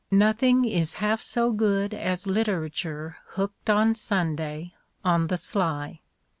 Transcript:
Nothing is half so good as literature hooked on Sunday, on the sly."